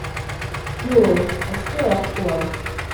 Gules, a stirrup Or.